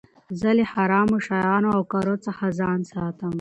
زه له حرامو شيانو او کارو څخه ځان ساتم.